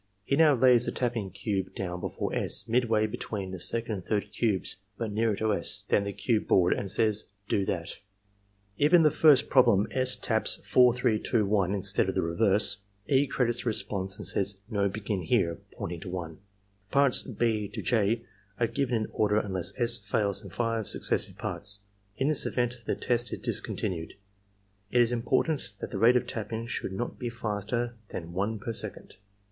He now lays the tapping cube down before S., midway between the second and third cubes, but nearer to S. than the cube board, and says: '^Do that" If in the first problem S. taps 4 — ^3 — 2 — 1 instead of the reverse, E. credits the response and says: ^^No, begin here" (pointing to 1). Parts (6) to {j) are given in order unless S. fails in 5 successive parts. In this event the test is discontinued. It is important that the rate of tapping should not be faster than one per second.